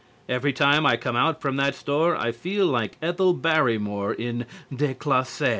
Every time I come out from that store I feel like Ethel Barrymore in "Déclassée."